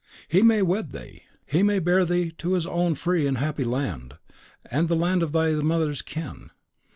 He may wed thee, he may bear thee to his own free and happy land, the land of thy mother's kin.